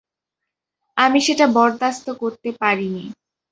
আমি সেটা বরদাস্ত করতে পারিনি।